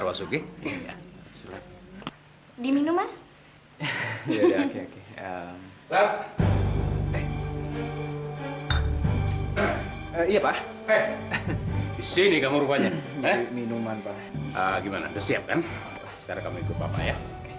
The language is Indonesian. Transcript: loh mama baru mau tanya mana setrianya